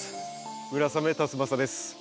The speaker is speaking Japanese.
村雨辰剛です。